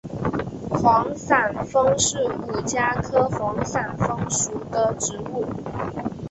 幌伞枫是五加科幌伞枫属的植物。